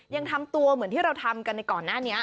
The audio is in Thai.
ยังทำตัวเหมือนที่เราทำกันในก่อนหน้านี้